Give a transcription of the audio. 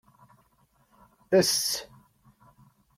Ess!